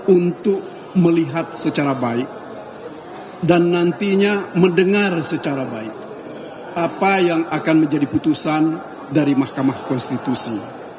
untuk melihat secara baik dan nantinya mendengar secara baik apa yang akan menjadi putusan dari mahkamah konstitusi